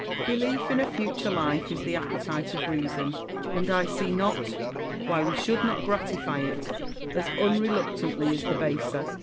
Marcus. Belief in a future life is the appetite of reason : and I see not why we should not gratify it as unreluctantly as the baser.